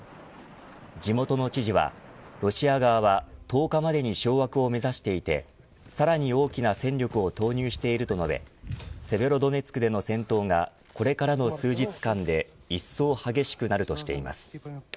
地元の知事はロシア側は１０日までに掌握を目指していてさらに大きな戦力を投入していると述べセベロドネツクでの戦闘がこれからの数日間でいっそう激しくなるとしています。